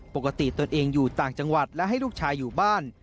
ตนเองอยู่ต่างจังหวัดและให้ลูกชายอยู่บ้าน